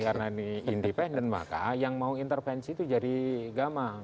karena ini independen maka yang mau intervensi itu jadi gampang